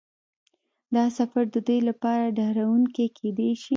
دا سفر د دوی لپاره ډارونکی کیدای شي